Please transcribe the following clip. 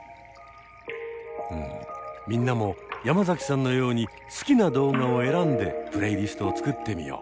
うんみんなも山崎さんのように好きな動画を選んでプレイリストを作ってみよう。